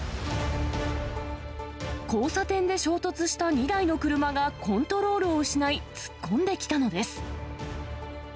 交差点で衝突した２台の車がコントロールを失い突っ込んできたのです。